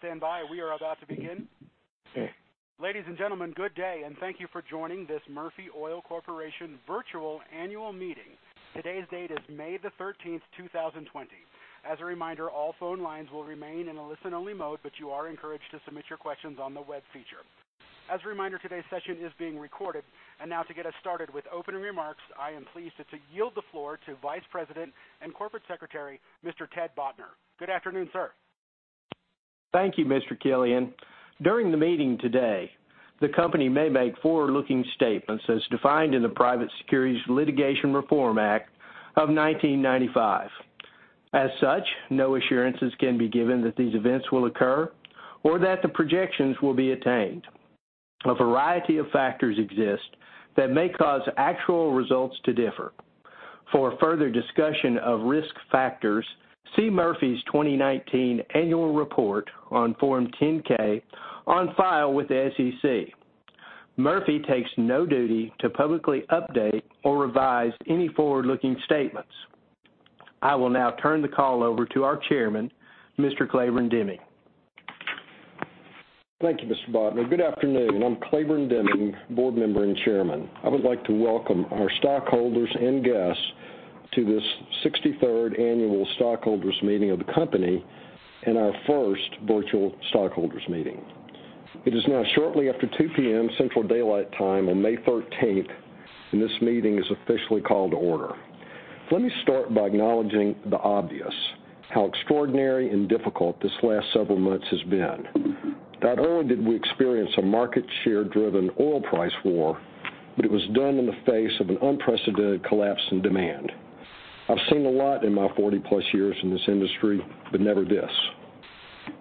Please stand by. We are about to begin. Ladies and gentlemen, good day, and thank you for joining this Murphy Oil Corporation virtual annual meeting. Today's date is May the 13th, 2020. As a reminder, all phone lines will remain in a listen-only mode, but you are encouraged to submit your questions on the web feature. As a reminder, today's session is being recorded. Now to get us started with opening remarks, I am pleased to yield the floor to Vice President and Corporate Secretary, Mr. Ted Botner. Good afternoon, sir. Thank you, Mr. Killian. During the meeting today, the company may make forward-looking statements as defined in the Private Securities Litigation Reform Act of 1995. As such, no assurances can be given that these events will occur or that the projections will be attained. A variety of factors exist that may cause actual results to differ. For further discussion of risk factors, see Murphy's 2019 annual report on Form 10-K on file with the SEC. Murphy takes no duty to publicly update or revise any forward-looking statements. I will now turn the call over to our chairman, Mr. Claiborne Deming. Thank you, Mr. Botner. Good afternoon. I'm Claiborne Deming, board member and Chairman. I would like to welcome our stockholders and guests to this 63rd annual stockholders meeting of the company and our first virtual stockholders meeting. It is now shortly after 2:00 P.M. Central Daylight Time on May 13th, and this meeting is officially called to order. Let me start by acknowledging the obvious, how extraordinary and difficult these last several months have been. Not only did we experience a market share-driven oil price war, but it was done in the face of an unprecedented collapse in demand. I've seen a lot in my 40-plus years in this industry, but never this.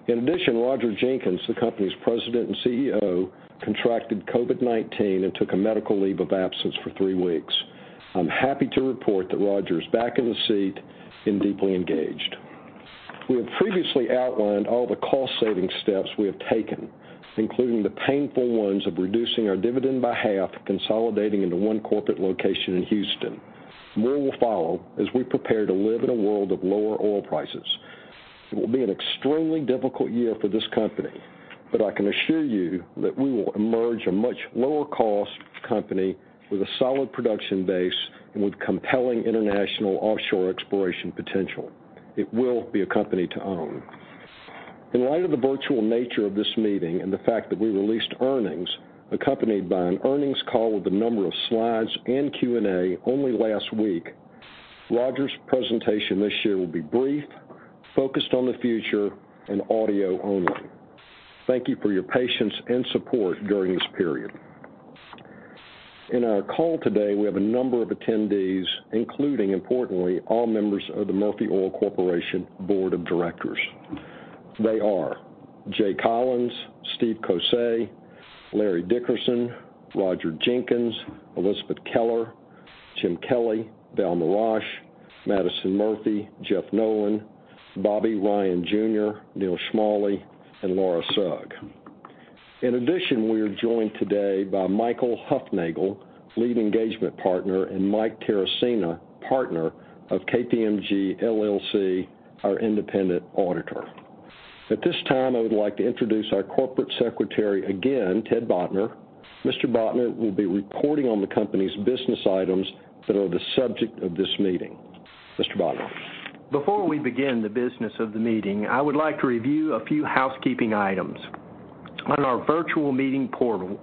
In addition, Roger Jenkins, the company's President and Chief Executive Officer, contracted COVID-19 and took a medical leave of absence for three weeks. I'm happy to report that Roger is back in the seat and deeply engaged. We have previously outlined all the cost-saving steps we have taken, including the painful ones of reducing our dividend by half and consolidating into one corporate location in Houston. More will follow as we prepare to live in a world of lower oil prices. It will be an extremely difficult year for this company. I can assure you that we will emerge a much lower-cost company with a solid production base and with compelling international offshore exploration potential. It will be a company to own. In light of the virtual nature of this meeting and the fact that we released earnings accompanied by an earnings call with a number of slides and Q&A only last week, Roger's presentation this year will be brief, focused on the future, and audio only. Thank you for your patience and support during this period. In our call today, we have a number of attendees, including, importantly, all members of the Murphy Oil Corporation Board of Directors. They are Jay Collins, Steve Cossé, Larry Dickerson, Roger Jenkins, Elisabeth Keller, Tim Kelley, Val Morasch, Madison Murphy, Jeff Nolan, Bobby Ryan, Jr., Neal Schmale, and Laura Sugg. In addition, we are joined today by Michael Hufnagel, Lead Engagement Partner, and Mike Terracina, Partner of KPMG LLP, our independent auditor. At this time, I would like to introduce our Corporate Secretary again, Ted Botner. Mr. Botner will be reporting on the company's business items that are the subject of this meeting. Mr. Botner. Before we begin the business of the meeting, I would like to review a few housekeeping items. On our virtual meeting portal,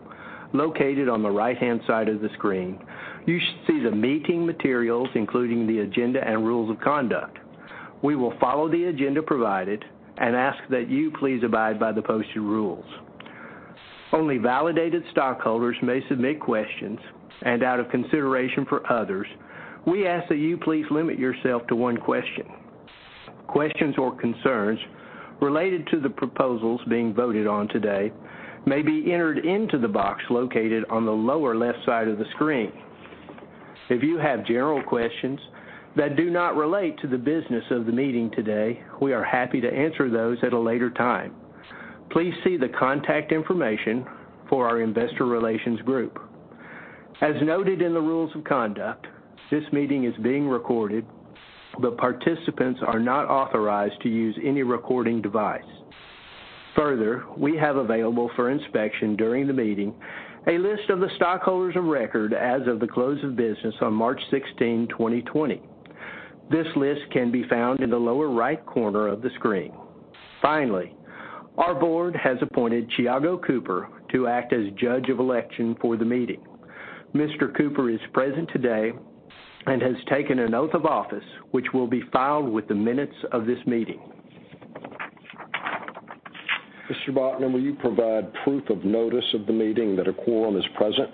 located on the right-hand side of the screen, you should see the meeting materials, including the agenda and rules of conduct. We will follow the agenda provided and ask that you please abide by the posted rules. Only validated stockholders may submit questions, and out of consideration for others, we ask that you please limit yourself to one question. Questions or concerns related to the proposals being voted on today may be entered into the box located on the lower left side of the screen. If you have general questions that do not relate to the business of the meeting today, we are happy to answer those at a later time. Please see the contact information for our investor relations group. As noted in the rules of conduct, this meeting is being recorded, but participants are not authorized to use any recording device. Further, we have available for inspection during the meeting a list of the stockholders of record as of the close of business on March 16, 2020. This list can be found in the lower right corner of the screen. Finally, our board has appointed Thiago Cooper to act as Judge of Election for the meeting. Mr. Cooper is present today and has taken an oath of office, which will be filed with the minutes of this meeting. Mr. Botner, will you provide proof of notice of the meeting that a quorum is present?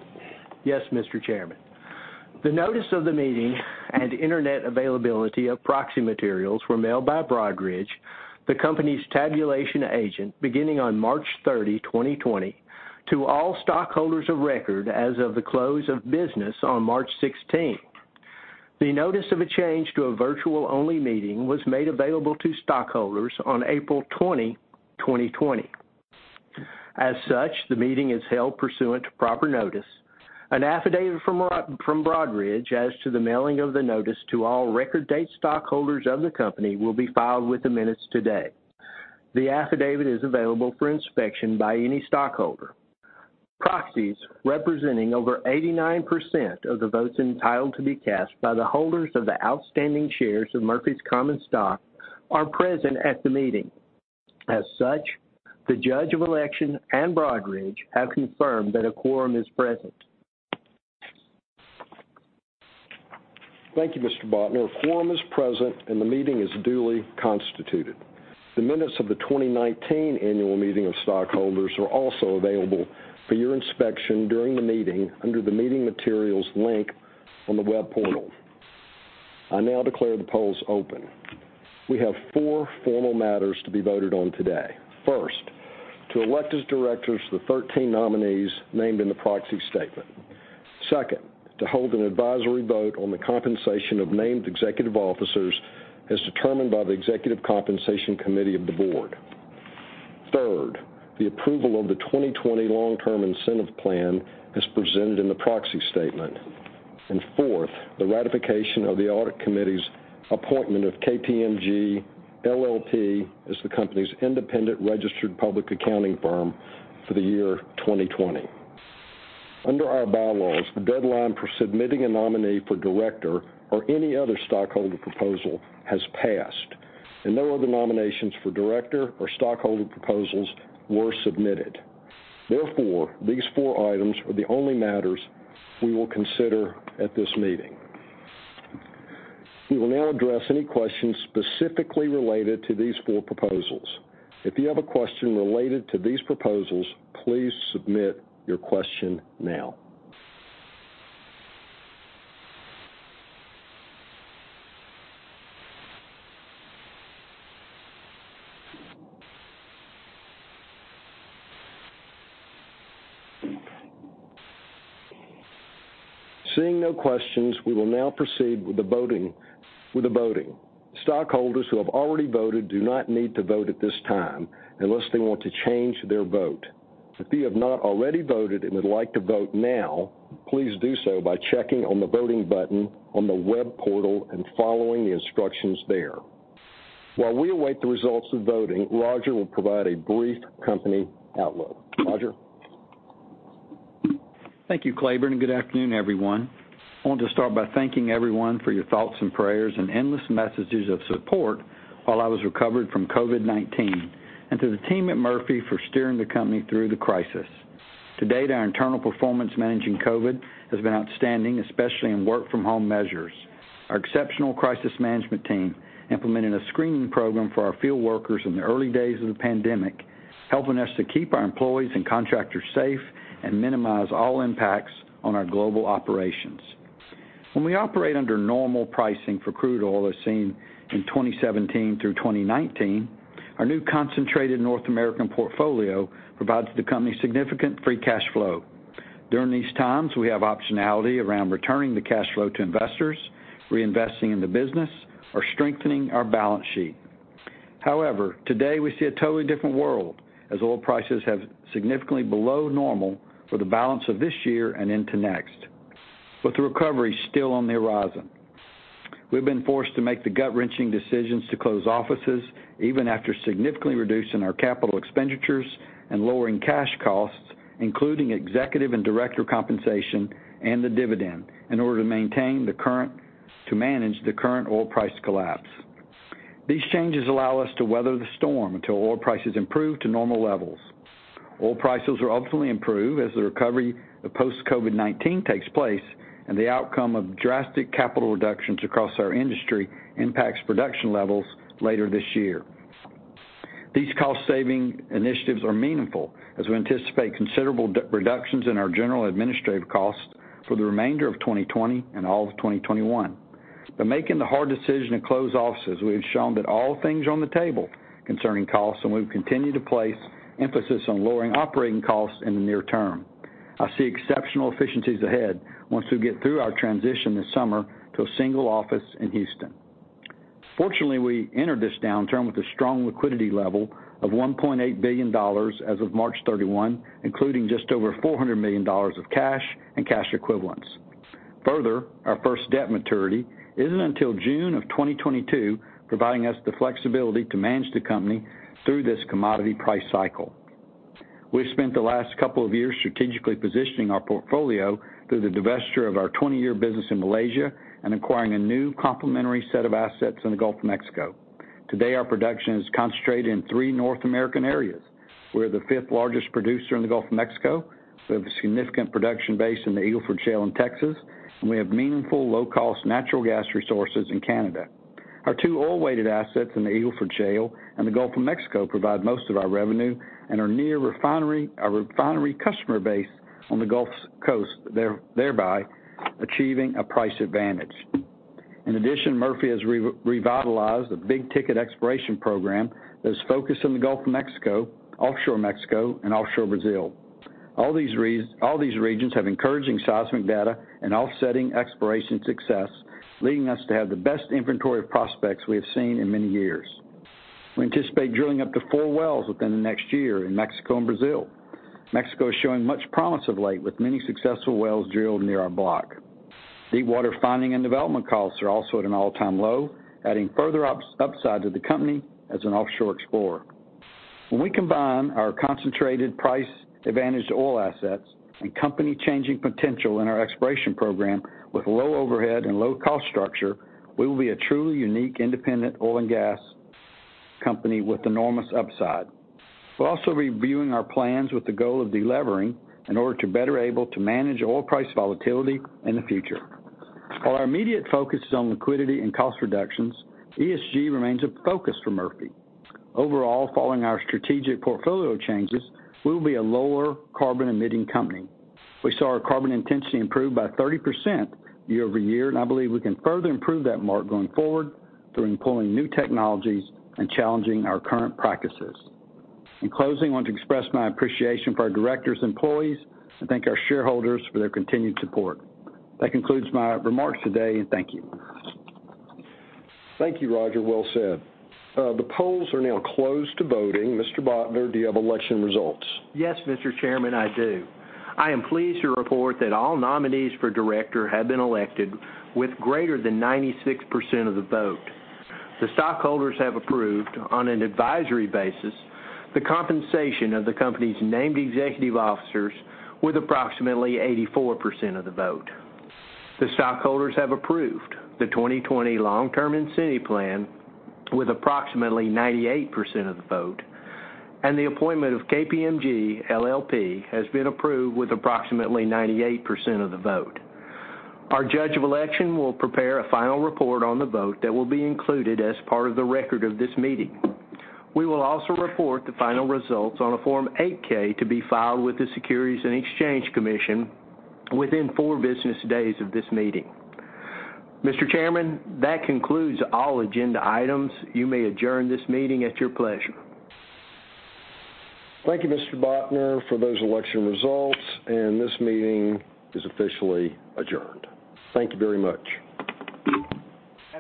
Yes, Mr. Chairman. The notice of the meeting and internet availability of proxy materials were mailed by Broadridge, the company's tabulation agent, beginning on March 30, 2020, to all stockholders of record as of the close of business on March 16th. The notice of a change to a virtual-only meeting was made available to stockholders on April 20, 2020. As such, the meeting is held pursuant to proper notice. An affidavit from Broadridge as to the mailing of the notice to all record date stockholders of the company will be filed with the minutes today. The affidavit is available for inspection by any stockholder. Proxies representing over 89% of the votes entitled to be cast by the holders of the outstanding shares of Murphy's common stock are present at the meeting. As such, the Judge of Election and Broadridge have confirmed that a quorum is present. Thank you, Mr. Botner. A quorum is present, and the meeting is duly constituted. The minutes of the 2019 Annual Meeting of Stockholders are also available for your inspection during the meeting under the Meeting Materials link on the web portal. I now declare the polls open. We have four formal matters to be voted on today. First, to elect as directors the 13 nominees named in the proxy statement. Second, to hold an advisory vote on the compensation of named executive officers as determined by the Executive Compensation Committee of the board. Third, the approval of the 2020 long-term incentive plan as presented in the proxy statement. Fourth, the ratification of the Audit Committee's appointment of KPMG LLP as the company's independent registered public accounting firm for the year 2020. Under our bylaws, the deadline for submitting a nominee for director or any other stockholder proposal has passed, and no other nominations for director or stockholder proposals were submitted. Therefore, these four items are the only matters we will consider at this meeting. We will now address any questions specifically related to these four proposals. If you have a question related to these proposals, please submit your question now. Seeing no questions, we will now proceed with the voting. Stockholders who have already voted do not need to vote at this time unless they want to change their vote. If you have not already voted and would like to vote now, please do so by checking on the voting button on the web portal and following the instructions there. While we await the results of voting, Roger will provide a brief company outlook. Roger? Thank you, Claiborne, and good afternoon, everyone. I want to start by thanking everyone for your thoughts and prayers and endless messages of support while I was recovering from COVID-19, and to the team at Murphy for steering the company through the crisis. To date, our internal performance managing COVID has been outstanding, especially in work from home measures. Our exceptional crisis management team implemented a screening program for our field workers in the early days of the pandemic, helping us to keep our employees and contractors safe and minimize all impacts on our global operations. When we operate under normal pricing for crude oil as seen in 2017 through 2019, our new concentrated North American portfolio provides the company significant free cash flow. During these times, we have optionality around returning the cash flow to investors, reinvesting in the business, or strengthening our balance sheet. However, today we see a totally different world as oil prices have significantly below normal for the balance of this year and into next, with the recovery still on the horizon. We've been forced to make the gut-wrenching decisions to close offices, even after significantly reducing our capital expenditures and lowering cash costs, including executive and director compensation and the dividend, in order to manage the current oil price collapse. These changes allow us to weather the storm until oil prices improve to normal levels. Oil prices will ultimately improve as the recovery of post-COVID-19 takes place and the outcome of drastic capital reductions across our industry impacts production levels later this year. These cost-saving initiatives are meaningful as we anticipate considerable reductions in our general administrative costs for the remainder of 2020 and all of 2021. By making the hard decision to close offices, we have shown that all things are on the table concerning costs, and we've continued to place emphasis on lowering operating costs in the near term. I see exceptional efficiencies ahead once we get through our transition this summer to a single office in Houston. Fortunately, we entered this downturn with a strong liquidity level of $1.8 billion as of March 31, including just over $400 million of cash and cash equivalents. Further, our first debt maturity isn't until June of 2022, providing us the flexibility to manage the company through this commodity price cycle. We've spent the last couple of years strategically positioning our portfolio through the divesture of our 20-year business in Malaysia and acquiring a new complementary set of assets in the Gulf of Mexico. Today, our production is concentrated in three North American areas. We're the fifth largest producer in the Gulf of Mexico. We have a significant production base in the Eagle Ford Shale in Texas, and we have meaningful low-cost natural gas resources in Canada. Our two oil-weighted assets in the Eagle Ford Shale and the Gulf of Mexico provide most of our revenue and are near a refinery customer base on the Gulf's coast, thereby achieving a price advantage. In addition, Murphy has revitalized a big-ticket exploration program that is focused on the Gulf of Mexico, offshore Mexico, and offshore Brazil. All these regions have encouraging seismic data and offsetting exploration success, leading us to have the best inventory of prospects we have seen in many years. We anticipate drilling up to four wells within the next year in Mexico and Brazil. Mexico is showing much promise of late, with many successful wells drilled near our block. Deepwater finding and development costs are also at an all-time low, adding further upside to the company as an offshore explorer. When we combine our concentrated price-advantaged oil assets and company-changing potential in our exploration program with low overhead and low cost structure, we will be a truly unique independent oil and natural gas company with enormous upside. We'll also be reviewing our plans with the goal of de-levering in order to better able to manage oil price volatility in the future. While our immediate focus is on liquidity and cost reductions, ESG remains a focus for Murphy. Overall, following our strategic portfolio changes, we will be a lower carbon-emitting company. We saw our carbon intensity improve by 30% year-over-year, and I believe we can further improve that mark going forward through employing new technologies and challenging our current practices. In closing, I want to express my appreciation for our directors and employees and thank our shareholders for their continued support. That concludes my remarks today, and thank you. Thank you, Roger. Well said. The polls are now closed to voting. Mr. Botner, do you have election results? Yes, Mr. Chairman, I do. I am pleased to report that all nominees for director have been elected with greater than 96% of the vote. The stockholders have approved, on an advisory basis, the compensation of the company's named executive officers with approximately 84% of the vote. The stockholders have approved the 2020 long-term incentive plan with approximately 98% of the vote, and the appointment of KPMG LLP has been approved with approximately 98% of the vote. Our Judge of Election will prepare a final report on the vote that will be included as part of the record of this meeting. We will also report the final results on a Form 8-K to be filed with the Securities and Exchange Commission within four business days of this meeting. Mr. Chairman, that concludes all agenda items. You may adjourn this meeting at your pleasure. Thank you, Mr. Botner, for those election results. This meeting is officially adjourned. Thank you very much.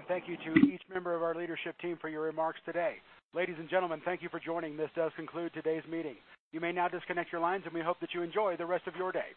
Thank you to each member of our leadership team for your remarks today. Ladies and gentlemen, thank you for joining. This does conclude today's meeting. You may now disconnect your lines, and we hope that you enjoy the rest of your day.